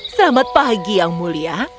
selamat pagi yang mulia